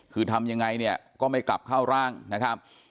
คือทำยังไงเนี่ยก็ไม่กลับเข้าร่างนะครับ